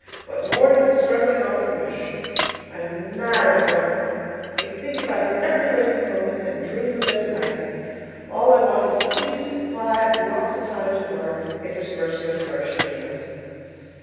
What more does a struggling author wish? I am mad about my book. I think of it every waking moment, and dream of it at night. All I want is peace and quiet and lots of time to work (interspersed with nourishing meals).